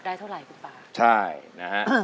ขอบคุณครับ